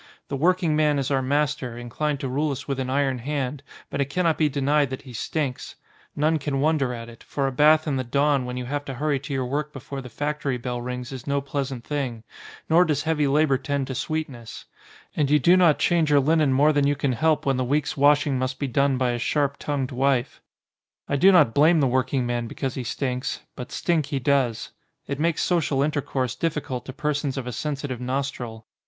The working man is our master, inclined to rule us with an iron hand, but it cannot be denied that he stinks : none can wonder at it, for a bath in the dawn when you have to hurry to your work before the factory bell rings is no pleasant thing, nor does heavy labour tend to sweetness; and you do not change your linen more than you can help when the week's washing must be done by a sharp tongued wife. I do not blame the working man because he stinks, but stink he does. It makes social intercourse difficult to persons of a sensitive nostril.